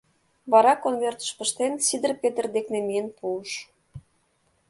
Вара, конвертыш пыштен, Сидыр Петр дек намиен пуыш.